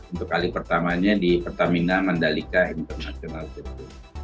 untuk kali pertamanya di pertamina mandalika international circuit